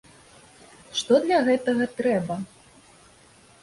Што для гэтага трэба?